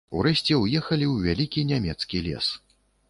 Урэшце ўехалі ў вялікі нямецкі лес.